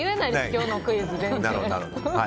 今日のクイズ。